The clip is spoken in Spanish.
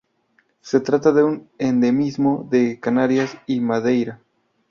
Se trata de un endemismo de Canarias y Madeira.